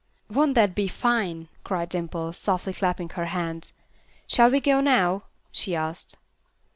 "Won't that be fine!" cried Dimple, softly clapping her hands. "Shall we go now?" she asked.